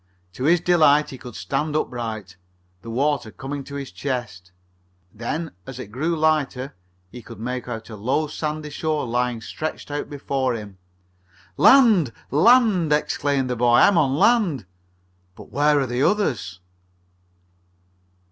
To his delight he could stand upright, the water coming to his chest. Then, as it grew lighter, he could make out a low, sandy shore lying stretched out before him. "Land! Land!" exclaimed the boy. "I'm on land! But where are the others?"